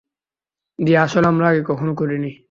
জি, আসলে, আমরা আগে কখনো করি নাই।